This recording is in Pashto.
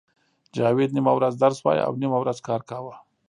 جاوید نیمه ورځ درس وایه او نیمه ورځ کار کاوه